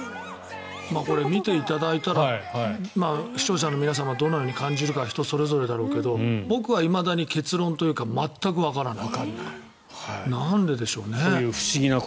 見ていただいたら視聴者の皆さんはどのように感じるか人それぞれだろうけど僕はいまだに結論というか全くわからない。